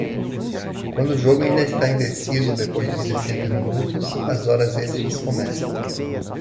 Quando o jogo ainda está indeciso depois de sessenta minutos, as horas extras começam.